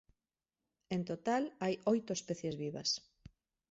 En total hai oito especies vivas.